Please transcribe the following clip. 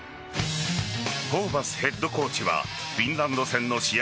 ホーバスヘッドコーチはフィンランド戦の試合